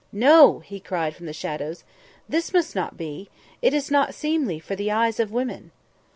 "No!" he cried from the shadows, "this must not be. It is not seemly for the eyes of women."